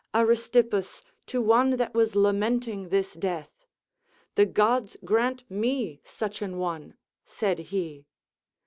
Aristippus, to one that was lamenting this death: "The gods grant me such an one," said he.